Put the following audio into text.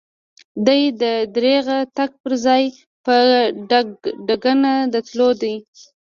دی د يرغه تګ پر ځای په ډګډګ د تللو دی.